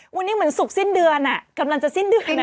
วันนี้เหมือนศุกร์สิ้นเดือนกำลังจะสิ้นเดือนนะ